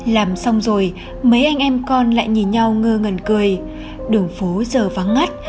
làm xong rồi mấy anh em con lại nhìn nhau ngơ ngần cười đường phố giờ vắng ngắt